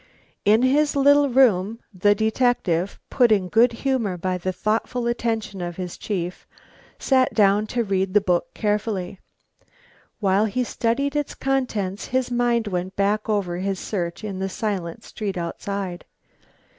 In his little room the detective, put in good humour by the thoughtful attention of his chief, sat down to read the book carefully. While he studied its contents his mind went back over his search in the silent street outside.